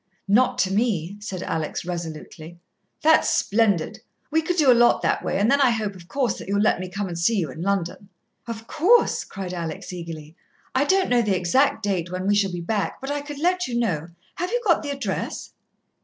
"Not to me," said Alex resolutely. "That's splendid. We could do a lot that way, and then I hope, of course, that you'll let me come and see you in London." "Of course," Alex cried eagerly. "I don't know the exact date when we shall be back, but I could let you know. Have you got the address?"